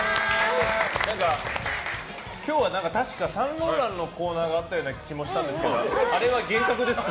何か、今日は確かサンローランのコーナーがあったような気もしたんですけどあれは幻覚ですか？